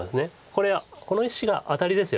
これこの石がアタリですよね。